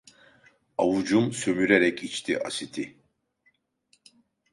Avucum sömürerek içti asiti.